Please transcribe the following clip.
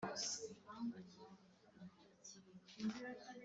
uzabiba ariko ntuzasarura